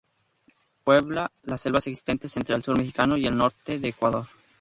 Puebla las selvas existentes entre el sur mexicano y el norte de Ecuador.